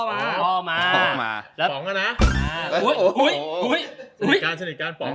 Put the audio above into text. ผมสนิทการสนิทการฟ้องอ่ะ